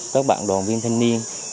các bạn đoàn viên thanh niên